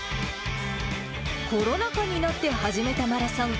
コロナ禍になって始めたマラソン。